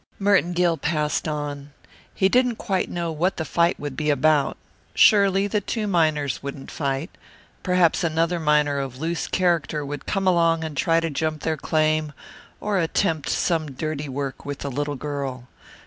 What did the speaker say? Merton Gill passed on. He didn't quite know what the fight would be about. Surely the two miners wouldn't fight. Perhaps another miner of loose character would come along and try to jump their claim, or attempt some dirty work with the little girl.